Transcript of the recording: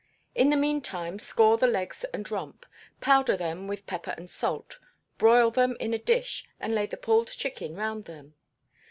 In the meantime score the legs and rump, powder them with pepper and salt, broil them in a dish and lay the pulled chicken round them.